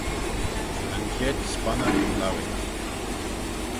Ta'n chied sponnag lowit